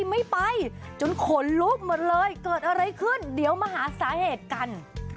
ไม่ไปจนขนลุกหมดเลยเกิดอะไรขึ้นเดี๋ยวมาหาสาเหตุกัน